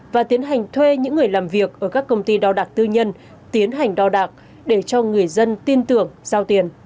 và tiến hành thuê những người làm việc ở các công ty đo đạc tư nhân tiến hành đo đạc để cho người dân tin tưởng giao tiền